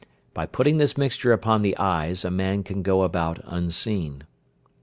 By putting this mixture upon the eyes a man can go about unseen.